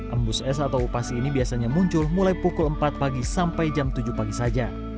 embus es atau upasi ini biasanya muncul mulai pukul empat pagi sampai jam tujuh pagi saja